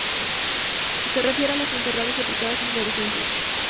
Se refiere a las encerradas y apretadas inflorescencias.